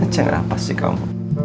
cengger apa sih kamu